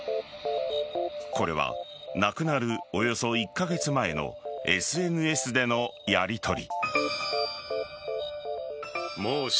これは亡くなるおよそ１カ月前のＳＮＳでのやりとり。